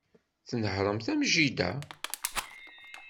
Tnehhṛemt am jida.